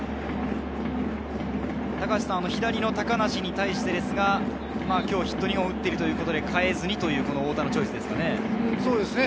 左の高梨に対してですが、今日、ヒット２本を打っているということで代えずにという太田のチョイスですね。